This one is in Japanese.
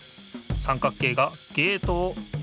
三角形がゲートをあける。